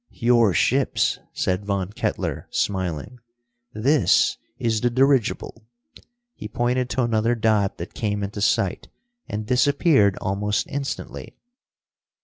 "Your ships," said Von Kettler, smiling. "This is the dirigible." He pointed to another dot that came into sight and disappeared almost instantly.